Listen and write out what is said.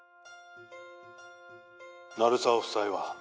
☎鳴沢夫妻は？